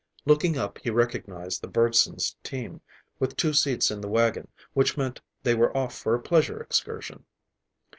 Looking up he recognized the Bergsons' team, with two seats in the wagon, which meant they were off for a pleasure excursion.